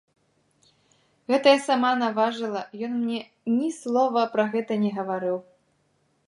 Гэта я сама наважыла, ён мне ні слова пра гэта не гаварыў.